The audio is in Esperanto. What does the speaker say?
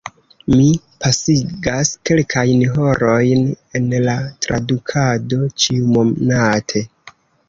Mi pasigas kelkajn horojn en la tradukado ĉiumonate.